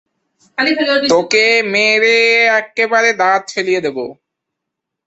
তিনি পাঁচবার একাডেমি পুরস্কারে মনোনীত প্রথম অভিনেত্রী।